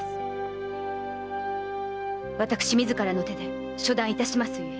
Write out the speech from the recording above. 私自らの手で処断いたしますゆえ。